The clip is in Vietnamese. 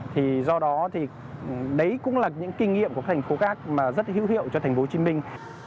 thì do đó thì đấy cũng là những kinh nghiệm của các thành phố khác mà rất hữu hiệu cho thành phố hồ chí minh